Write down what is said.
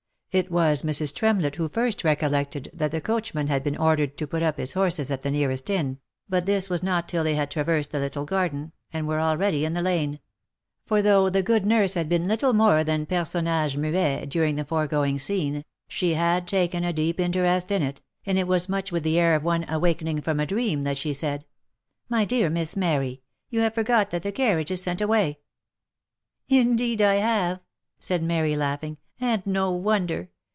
It was Mrs. Tremlett who first recollected that the coachman had been ordered to put up his horses at the nearest inn, but this was not till they had traversed the little garden, and were already in the lane ; for though the good nurse had been little more than personnage muet during the foregoing scene, she had taken a deep interest in it, and it was much with the air of one awaking from a dream, that she said, " My dear Miss Mary ! you have forgot that the carriage is sent away." " Indeed have I !" said Mary, laughing, " and no wonder.